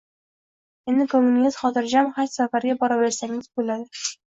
Endi koʻnglingiz xotirjam haj safariga boraversangiz boʻladi